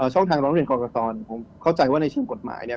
ส่วนทางร้อนเทรมกอกกะตอผมเข้าใจว่าในเชียงกฎหมายเนี้ย